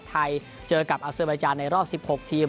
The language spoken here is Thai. ไทยเจอกับอาเซอร์บาจานในรอบ๑๖ทีม